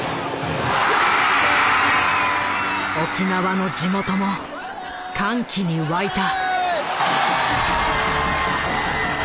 沖縄の地元も歓喜に沸いた。